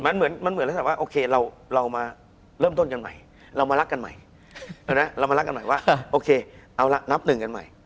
มันเหมือนมันเหมือนลักษณะว่าโอเคเรามาเริ่มต้นกันใหม่เรามารักกันใหม่เรามารักกันใหม่ว่าโอเคเอาละนับหนึ่งกันใหม่